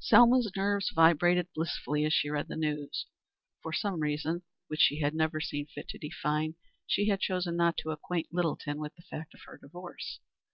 Selma's nerves vibrated blissfully as she read the news. For some reason, which she had never seen fit definitely to define, she had chosen not to acquaint Littleton with the fact of her divorce.